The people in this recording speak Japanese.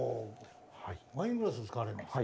ワイングラス使われるんですか？